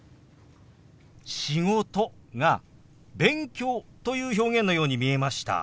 「仕事」が「勉強」という表現のように見えました。